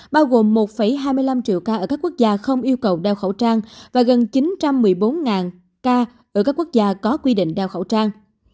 bao gồm một hai mươi năm triệu ca ở các quốc gia không yêu cầu đeo khẩu trang và gần chín trăm một mươi bốn